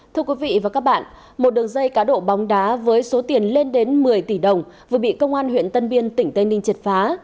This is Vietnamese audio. thưa quý vị và các bạn một đường dây cá độ bóng đá với số tiền lên đến một mươi tỷ đồng vừa bị công an huyện tân biên tỉnh tây ninh triệt phá